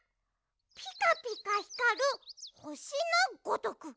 ピカピカひかるほしのごとく！